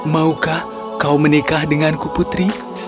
maukah kau menikah denganku putri